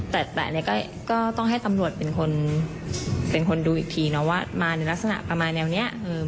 แต่ต้องให้ตำรวจเป็นคนดูอีกทีว่ามาในลักษณะประมาณแนวนี้